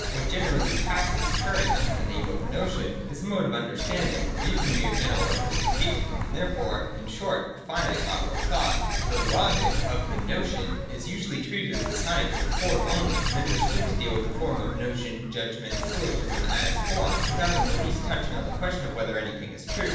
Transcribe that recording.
— What generally passes current under the name of a notion is a mode of under standing, or, even, a mere general representation, and therefore, in short, a finite mode of thought (cp. § 62). The Logic of the Notion is usually treated as a science of form only, and understood to deal with the form of notion, judgment, and syllogism as form, without in the least touching the question whether anything is true.